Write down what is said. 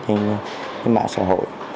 trên mạng xã hội